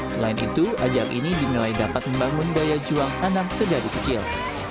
selain itu ajang ini dimilai dapat membangun gaya juang anak sejadi kecil